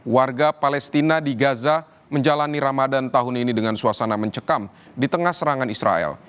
warga palestina di gaza menjalani ramadan tahun ini dengan suasana mencekam di tengah serangan israel